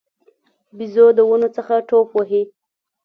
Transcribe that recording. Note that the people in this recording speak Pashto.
بیزو د ونو څخه ټوپ وهي.